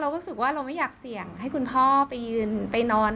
รู้สึกว่าเราไม่อยากเสี่ยงให้คุณพ่อไปยืนไปนอน